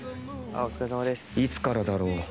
いつからだろう